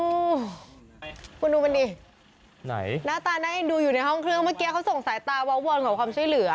โอ้โหคุณดูมันดิไหนหน้าตาน่าเอ็นดูอยู่ในห้องเครื่องเมื่อกี้เขาส่งสายตาเว้าววอนขอความช่วยเหลือ